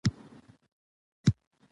د بدۍ نه منع کول صدقه ده